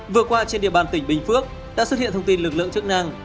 vừa qua trên địa bàn tỉnh bình phước đã xuất hiện thông tin lực lượng chức năng